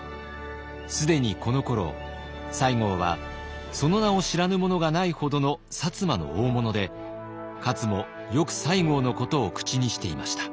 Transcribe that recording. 既にこのころ西郷はその名を知らぬ者がないほどの摩の大物で勝もよく西郷のことを口にしていました。